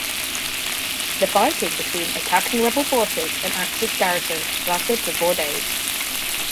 The fighting between attacking rebel forces and Axis garrison lasted for four days.